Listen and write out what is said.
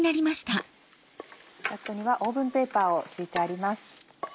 バットにはオーブンペーパーを敷いてあります。